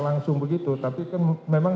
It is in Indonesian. langsung begitu tapi kan memang